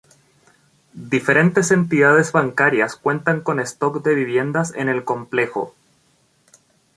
Diferentes entidades bancarias cuentan con stock de viviendas en el complejo.